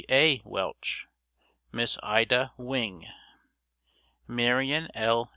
A. Welch) MISS IDA WING Marion L.